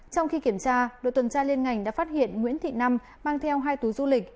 trong khi kiểm tra đội tuần tra liên ngành đã phát hiện nguyễn thị năm mang theo hai túi du lịch